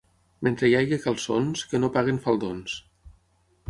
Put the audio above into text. Mentre hi hagi calçons, que no paguin faldons.